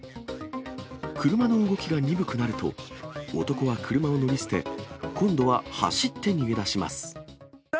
車の動きが鈍くなると、男は車を乗り捨て、今度は走って逃げ出します。